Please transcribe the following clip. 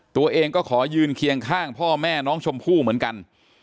ตัวเองก็ขอยืนเคียงข้างพ่อแม่น้องชมพู่เหมือนกัน